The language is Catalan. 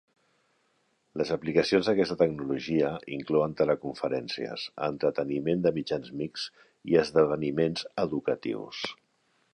Les aplicacions d'aquesta tecnologia inclouen teleconferències, entreteniment de mitjans mixts i esdeveniments educatius.